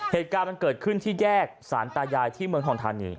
เหตุการณ์มันเกิดขึ้นที่แยกสารตายายที่เมืองทองทานี